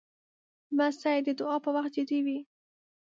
لمسی د دعا پر وخت جدي وي.